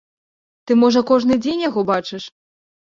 Ты можа кожны дзень яго бачыш?